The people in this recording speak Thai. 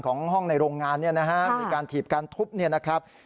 ของห้องในโรงงานมีการถีบการทุบ